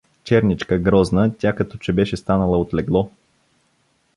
Черничка, грозна, тя като че беше станала от легло.